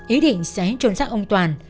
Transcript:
ý định sẽ trốn sát ông toàn